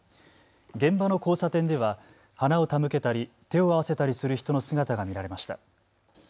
現場の交差点では花を手向けたり手を合わせたりする人の姿が見られました。